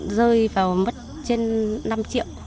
rơi vào mất trên đất